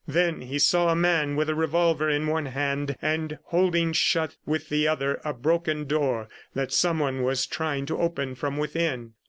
Then he saw a man with a revolver in one hand, and holding shut with the other a broken door that someone was trying to open from within.